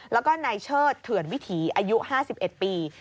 แล้วก็นายเชิดเถื่อนวิถีอายุ๕๑ปี